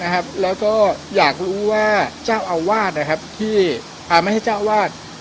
นะครับแล้วก็อยากรู้ว่าเจ้าอาวาสนะครับที่อ่าไม่ใช่เจ้าอาวาส